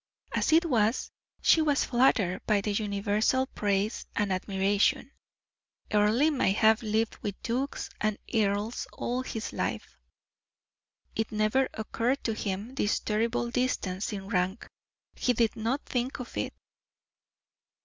As it was, she was flattered by the universal praise and admiration. Earle might have lived with dukes and earls all his life. It never occurred to him, this terrible distance in rank; he did not think of it.